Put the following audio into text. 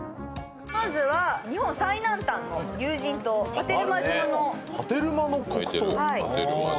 まずは日本最南端の有人島・波照間島の。